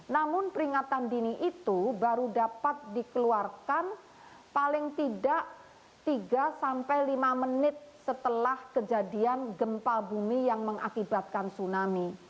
namun peringatan dini itu baru dapat dikeluarkan paling tidak tiga sampai lima menit setelah kejadian gempa bumi yang mengakibatkan tsunami